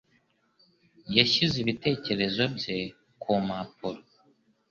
Yashyize ibitekerezo bye ku mpapuro.